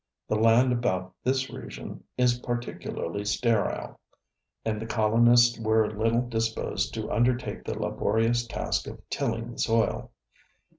The land about this region is particularly sterile, and the colonists were little disposed to undertake the laborious task of tilling the soil.